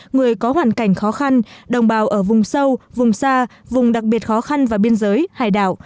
người có hoàn cảnh khó khăn đồng bào ở vùng sâu vùng xa vùng đặc biệt khó khăn và biên giới hải đảo